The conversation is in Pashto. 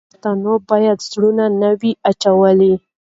پښتانه باید زړه نه وای اچولی.